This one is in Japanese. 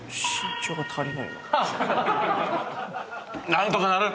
何とかなる！